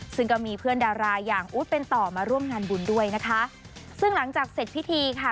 ซึ่งก็มีเพื่อนดาราอย่างอู๊ดเป็นต่อมาร่วมงานบุญด้วยนะคะซึ่งหลังจากเสร็จพิธีค่ะ